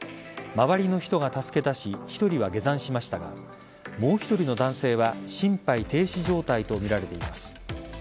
周りの人が助け出し１人は下山しましたがもう１人の男性は心肺停止状態とみられています。